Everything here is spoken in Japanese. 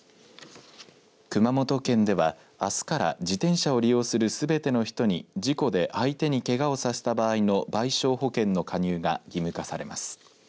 熊本県ではあすから自転車を利用するすべての人に事故で相手にけがをさせた場合の賠償保険の加入が義務化されます。